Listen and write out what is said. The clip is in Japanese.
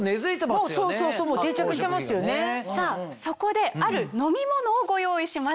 そこである飲み物をご用意しました。